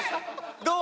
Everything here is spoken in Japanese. どう？